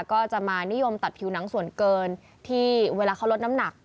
ก็จะมานิยมตัดผิวหนังส่วนเกินที่เวลาเขาลดน้ำหนัก